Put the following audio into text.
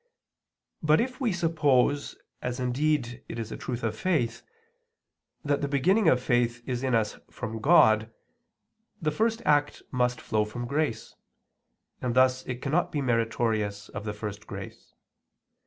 But if we suppose, as indeed it is a truth of faith, that the beginning of faith is in us from God, the first act must flow from grace; and thus it cannot be meritorious of the first grace.